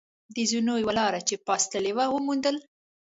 د زینو یوه لار چې پاس تللې وه، و موندل.